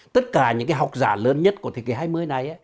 tất cả những học giả lớn nhất của thế kỷ hai mươi này